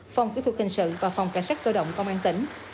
phòng kỹ thuật hình sự và phòng cảnh sát cơ động công an tỉnh